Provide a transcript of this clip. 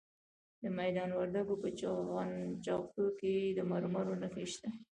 د میدان وردګو په جغتو کې د مرمرو نښې شته.